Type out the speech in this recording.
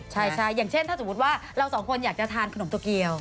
ใช่อย่างเช่นถ้าสมมุติว่าเราสองคนอยากจะทานขนมโตเกียว